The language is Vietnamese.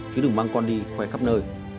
chứ đừng mang con đi quay khắp nơi